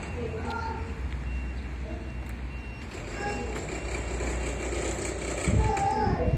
গোরা যতই নিজেকে হিন্দু বলিয়া বড়াই করুক-না কেন, সমাজের মধ্যে উহার স্থান কী!